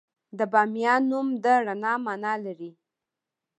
د بامیان نوم د رڼا مانا لري